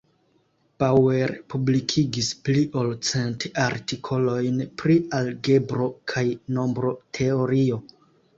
Bauer publikigis pli ol cent artikolojn pri algebro kaj nombroteorio.